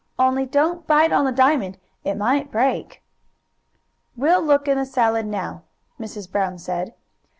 "Only don't bite on the diamond. It might break." "We'll look in the salad now," Mrs. Brown said.